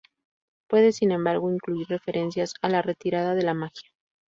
Puede, sin embargo, incluir referencias a la retirada de la magia.